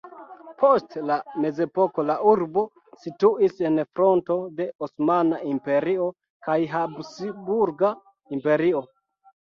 Post la mezepoko la urbo situis en fronto de Osmana Imperio kaj Habsburga Imperio.